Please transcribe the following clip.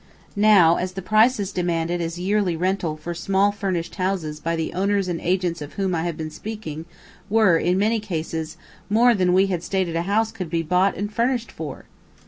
Now the prices demanded as yearly rental for small furnished houses, by the owners and agents of whom I have been speaking, were, in many cases, more than we had stated a house could be bought and furnished for!